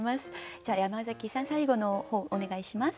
じゃあ山崎さん最後の方お願いします。